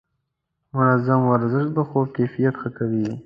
منظم ورزش د خوب کیفیت ښه کوي.